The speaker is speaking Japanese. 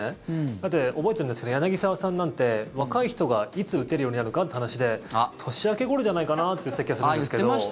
だって、覚えてるんですけど柳澤さんなんて若い人がいつ打てるようになるかって話で年明けごろじゃないかなって言ってた気がするんですけど。